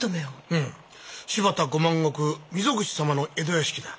うん新発田５万石溝口様の江戸屋敷だ。